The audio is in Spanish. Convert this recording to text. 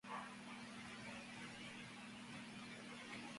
Shion Inoue